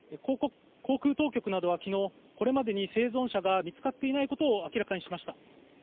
航空当局などは昨日、これまでに生存者が見つかっていないことを明らかにしました。